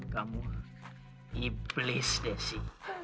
kamu iblis desi